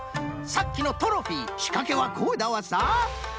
さっきのトロフィーしかけはこうだわさ。